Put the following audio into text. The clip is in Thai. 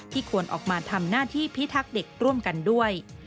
ควรออกมาทำหน้าที่พิทักษ์เด็กร่วมกันด้วย